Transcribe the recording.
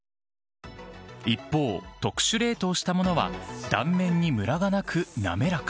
一方、特殊冷凍したものは、断面にむらがなく、滑らか。